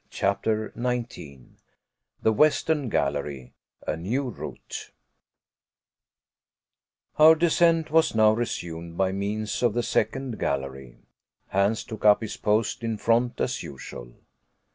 CHAPTER 19 THE WESTERN GALLERY A NEW ROUTE Our descent was now resumed by means of the second gallery. Hans took up his post in front as usual.